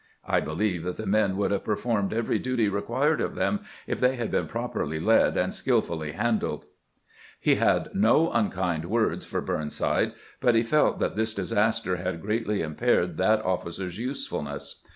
I believe that the men would have performed every duty required of them if they had been properly led and skil fully handled," He had no unkind words for Burnside, but he felt that this disaster had greatly impaired that officer's usefulness.